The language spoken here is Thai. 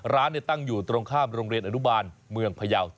ร้านตั้งอยู่ตรงข้ามโรงเรียนอนุบาลเมืองพยาว